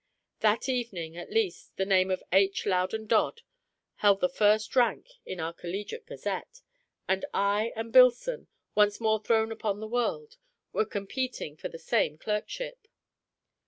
That evening, at least, the name of H. Loudon Dodd held the first rank in our collegiate gazette, and I and Billson (once more thrown upon the world) were competing for the same clerkship.